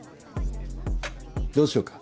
どうしようか。